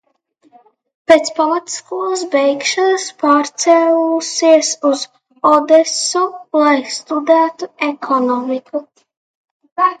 Pēc pamatskolas beigšanas pārcēlusies uz Odesu, lai studētu ekonomiku.